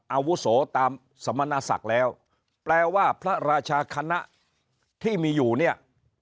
อาวุโสตามสมณศักดิ์แล้วแปลว่าพระราชาคณะที่มีอยู่เนี่ย